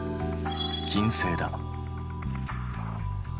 金星だ。